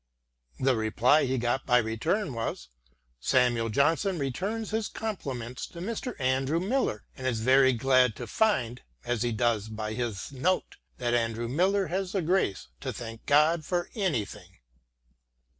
The reply he got by return was : Samuel Johnson returns his compliments to Mr. Andrew Millar and is very glad to find, as he does by his note, that Andrew Millar has the grace to thank God for anything.